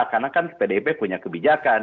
karena kan pdip punya kebijakan